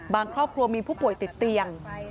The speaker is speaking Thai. ครอบครัวมีผู้ป่วยติดเตียง